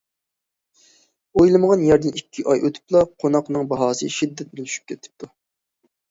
ئويلىمىغان يەردىن ئىككى ئاي ئۆتۈپلا، قوناقنىڭ باھاسى شىددەت بىلەن چۈشۈپ كېتىپتۇ.